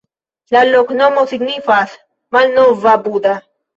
La loknomo signifas: malnova Buda.